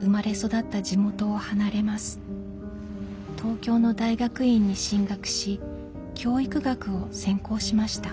東京の大学院に進学し教育学を専攻しました。